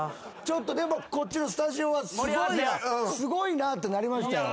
でもこっちのスタジオはすごいなってなりましたよ。